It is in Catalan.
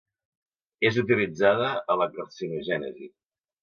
És utilitzada a la carcinogènesi.